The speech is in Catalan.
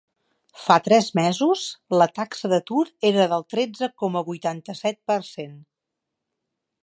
Fa tres mesos, la taxa d’atur era del tretze coma vuitanta-set per cent.